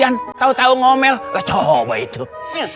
noh kamu kenapa noh